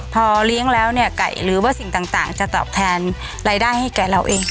พอเลี้ยงแล้วเนี่ยไก่หรือว่าสิ่งต่างจะตอบแทนรายได้ให้แก่เราเอง